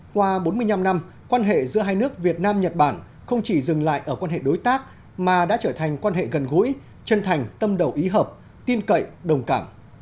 qua bốn mươi năm năm quan hệ giữa hai nước việt nam nhật bản không chỉ dừng lại ở quan hệ đối tác mà đã trở thành quan hệ gần gũi chân thành tâm đầu ý hợp tin cậy đồng cảm